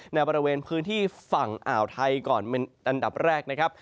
ในบริเวณพื้นที่ฝั่งอ่าวไทยก่อนเป็นอันดับแรกนะครับ